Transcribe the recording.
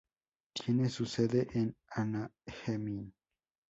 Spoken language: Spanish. Tiene su sede en Anaheim.